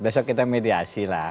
besok kita mediasi lah